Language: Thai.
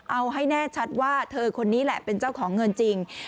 เอาให้แน่ชัดว่าเธอคนนี้แหละเป็นเจ้าของเงินจริง